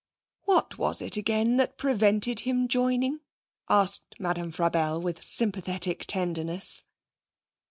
'What was it again that prevented him joining?' asked Madame Frabelle, with sympathetic tenderness.